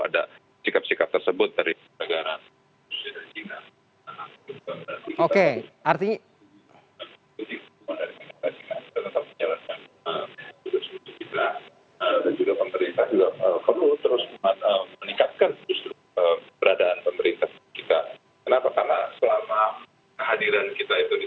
ada sikap sikap tersebut dari